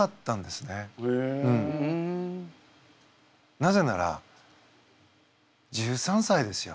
なぜなら１３歳ですよ。